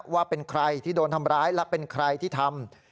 ว่าเป็นใครที่โดนทำร้ายและเป็นใครที่ทำ